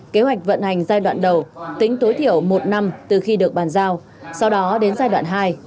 kế hoạch vận hành giai đoạn đầu tính tối thiểu một năm từ khi được bàn giao sau đó đến giai đoạn hai